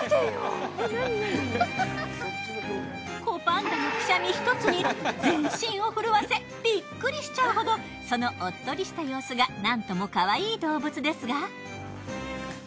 子パンダのくしゃみ一つに全身を震わせビックリしちゃうほどそのおっとりした様子がなんともかわいい動物ですが。